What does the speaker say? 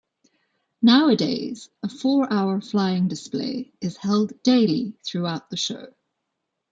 Nowadays, a four-hour flying display is held daily throughout the show.